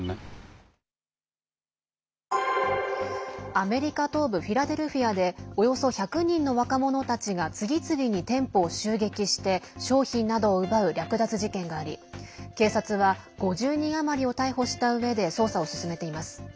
アメリカ東部フィラデルフィアでおよそ１００人の若者たちが次々に店舗を襲撃して商品などを奪う略奪事件があり警察は５０人余りを逮捕したうえで捜査を進めています。